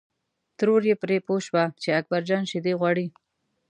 ترور یې پرې پوه شوه چې اکبر جان شیدې غواړي.